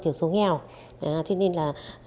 thiểu số nghèo